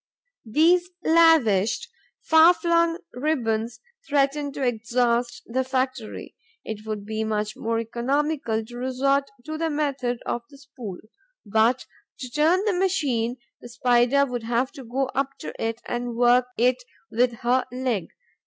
These lavished, far flung ribbons threaten to exhaust the factory; it would be much more economical to resort to the method of the spool; but, to turn the machine, the Spider would have to go up to it and work it with her leg.